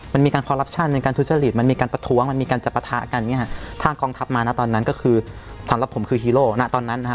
ประทะกันเนี่ยฮะถ้ากองทัพมานะตอนนั้นก็คือสำหรับผมคือฮีโร่นะตอนนั้นนะฮะ